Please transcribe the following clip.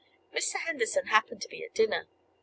Mr. Henderson happened to be at dinner.